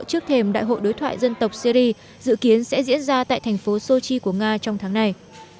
trước thềm đại hội đối thoại dân tộc syri dự kiến sẽ diễn ra tại thành phố sochi của nga trong tháng này